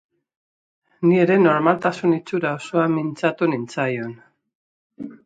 Ni ere normaltasun itxura osoan mintzatu nintzaion.